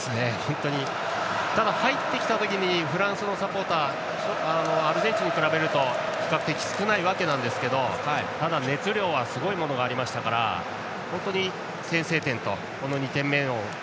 入ってきた時にフランスのサポーターはアルゼンチンと比べると比較的、少ないわけですがただ熱量はすごいものがあったので先制点とこの２点目を。